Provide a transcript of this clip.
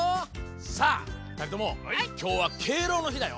さあふたりともきょうは「敬老の日」だよ。